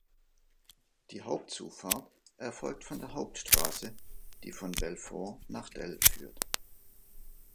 Die Hauptzufahrt erfolgt von der Hauptstraße, die von Belfort nach Delle führt.